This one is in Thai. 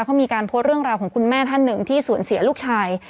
เขามีการโพสต์เรื่องราวของคุณแม่ท่านหนึ่งที่สูญเสียลูกชาย